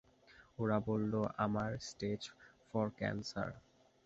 ওরা বলল, আমার স্টেজ ফোর ক্যান্সার।